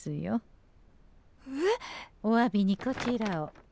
えっ？おわびにこちらを。